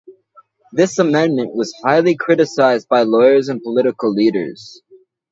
This amendment was highly criticised by lawyers and political leaders.